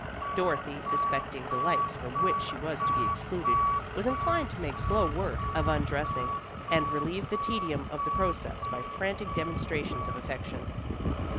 Dorothy suspecting delights from which she was to be excluded, was inclined to make slow work of undressing, and relieved the tedium of the process by frantic demonstrations of affection.